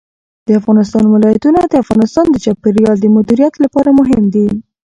د افغانستان ولايتونه د افغانستان د چاپیریال د مدیریت لپاره مهم دي.